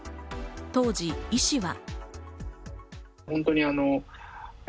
当時、医師は。